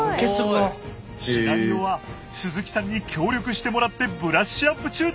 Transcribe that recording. シナリオは鈴木さんに協力してもらってブラッシュアップ中だとか。